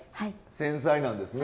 繊細なんですね。